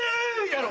やろ。